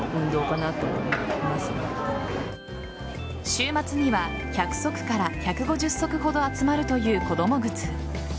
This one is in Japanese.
週末には１００足から１５０足ほど集まるという子供靴。